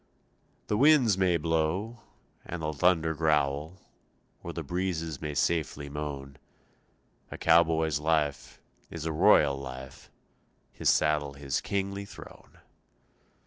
The winds may blow And the thunder growl Or the breezes may safely moan; A cowboy's life Is a royal life, His saddle his kingly throne.